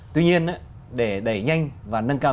tuy nhiên để đẩy nhanh và nâng cao